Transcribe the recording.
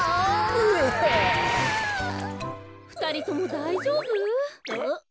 ふたりともだいじょうぶ？